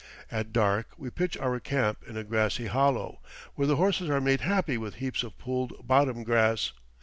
At dark we pitch our camp in a grassy hollow, where the horses are made happy with heaps of pulled bottom grass.